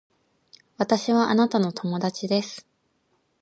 私はあなたの友達です